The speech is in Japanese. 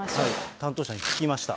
担当者に聞きました。